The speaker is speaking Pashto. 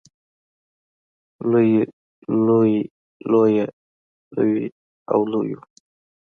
لوی لویې لويه لوې لويو